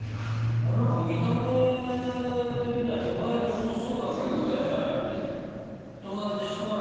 なんか見た目的には友達多そうだけどね。